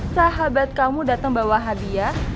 sahabat kamu datang bawa hadiah